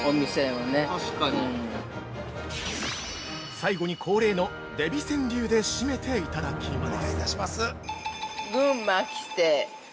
◆最後に恒例のデヴィ川柳で締めていただきます。